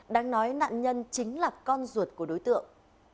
đáng nói nạn nhân chính là con ruột của đối tượng